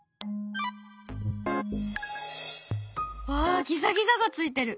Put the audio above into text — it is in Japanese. わあギザギザがついてる！